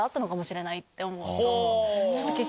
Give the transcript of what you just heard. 結局。